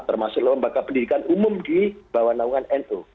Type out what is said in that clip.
termasuk lembaga pendidikan umum di bawah naungan nu